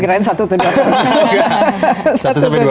kira kira satu dua minggu